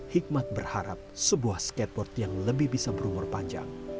hikmat berharap sebuah skateboard yang lebih bisa berumur panjang